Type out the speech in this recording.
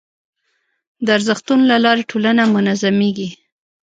د ارزښتونو له لارې ټولنه منظمېږي.